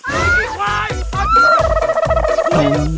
โอ้ยกี่ขวายอาจารย์